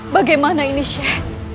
bagaimana ini syahid